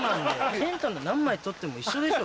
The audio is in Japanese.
テント何枚撮っても一緒でしょ